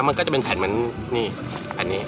มันก็จะเป็นแผ่นเหมือนนี่แผ่นนี้